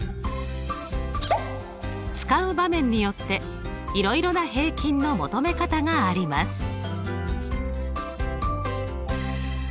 使う場面によっていろいろな平均の求め方があります。